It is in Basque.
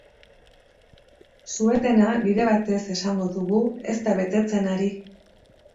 Su-etena, bide batez esango dugu, ez da betetzen ari.